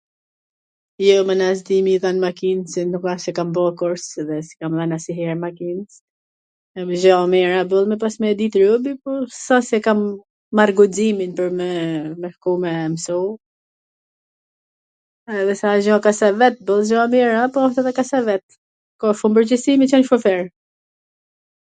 Jo mana s di me i dhan makins, s asht se kam bo kurs dhe s i kam dhan asnjwher makinws, gjo e mir a boll me pas me dit robi po s a se kam marr guximin pwr me shku me msu, edhe se a gjo kasavet, boll mir a po edhe kasavet, ka shum pwrgjegjsi me qwn shofer.